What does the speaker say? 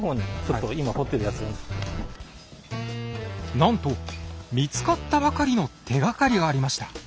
なんと見つかったばかりの手がかりがありました。